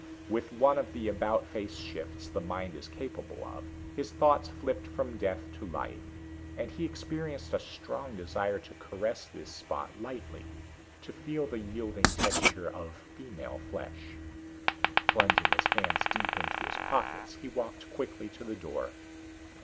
With one of the about face shifts the mind is capable of, his thoughts flipped from death to life, and he experienced a strong desire to caress this spot lightly, to feel the yielding texture of female flesh.... Plunging his hands deep into his pockets, he walked quickly to the door.